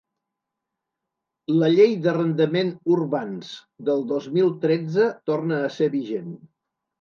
La llei d’arrendament urbans del dos mil tretze torna a ser vigent.